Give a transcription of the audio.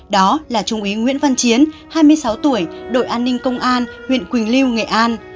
đó là trung úy nguyễn văn chiến hai mươi sáu tuổi đội an ninh công an huyện quỳnh lưu nghệ an